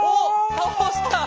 倒した！